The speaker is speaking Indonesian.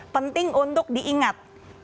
penting untuk diingat